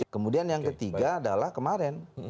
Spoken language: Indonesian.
kemudian yang ketiga adalah kemarin